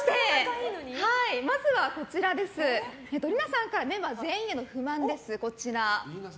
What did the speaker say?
まず、ＬＩＮＡさんからメンバー全員への不満です。